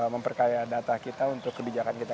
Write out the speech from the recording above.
memperkaya data kita untuk kebijakan kita